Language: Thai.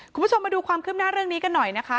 คุณผู้ชมมาดูความคืบหน้าเรื่องนี้กันหน่อยนะคะ